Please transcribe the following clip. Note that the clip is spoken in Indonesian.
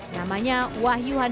namanya wahyu han